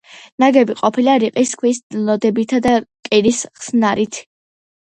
ნაგები ყოფილა რიყის ქვის ლოდებითა და კირის ხსნარით.